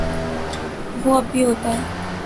وہ اب بھی ہوتا ہے۔